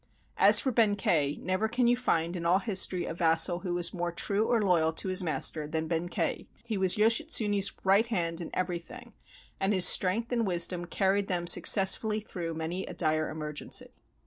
And as for Benkei, never can you find in all his tory a vassal who was more true or loyal to his master than Benkei. He was Yoshitsune's right hand in every thing, and his strength and wisdom carried them success fully through many a dire emergency.